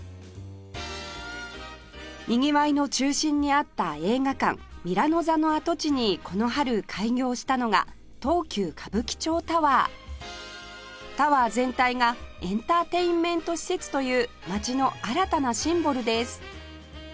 にぎわいの中心にあった映画館ミラノ座の跡地にこの春開業したのが東急歌舞伎町タワータワー全体がエンターテインメント施設という街の新たなシンボルです